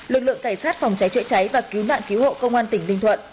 lực lượng cảnh sát phòng cháy chữa cháy và cứu nạn cứu hộ công an tỉnh ninh thuận